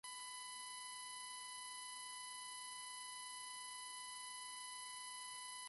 Su sepulcro se conserva hoy en la parroquia de Sta.